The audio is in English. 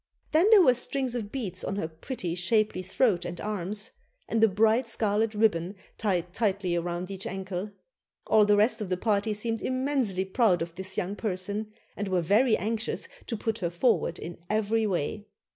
Then there were strings of beads on her pretty, shapely throat and arms, and a bright scarlet ribbon tied tightly round each ankle. All the rest of the party seemed immensely proud of this young person, and were very anxious to put her forward in every way.